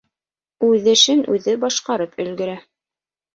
Үҙ эшен үҙе башҡарып өлгөрә.